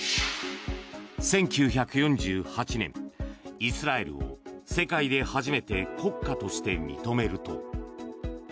１９４８年、イスラエルを世界で初めて国家として認めると。